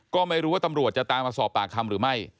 ก็ไม่รู้ว่าตำรวจจะตามมาสอบปากคำหรือไม่